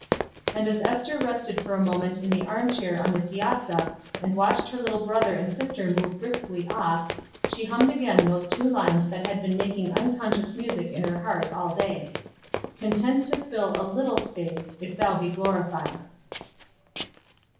And as Ester rested for a moment in the arm chair on the piazza, and watched her little brother and sister move briskly off, she hummed again those two lines that had been making unconscious music in her heart all day: "Content to fill a little space If Thou be glorified."